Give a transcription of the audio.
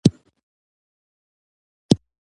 له هغې بېلېږي نه.